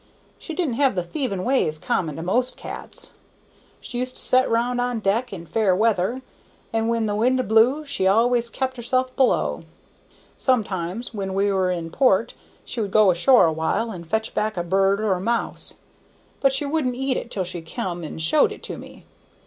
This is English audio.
She didn't have the thieving ways common to most cats. She used to set round on deck in fair weather, and when the wind blew she al'ays kept herself below. Sometimes when we were in port she would go ashore awhile, and fetch back a bird or a mouse, but she wouldn't eat it till she come and showed it to me.